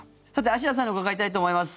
あしやさんに伺いたいと思います。